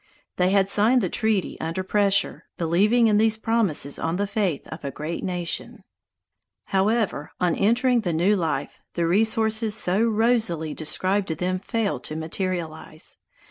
They had signed the treaty under pressure, believing in these promises on the faith of a great nation. However, on entering the new life, the resources so rosily described to them failed to materialize.